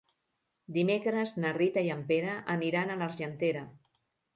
Dimecres na Rita i en Pere aniran a l'Argentera.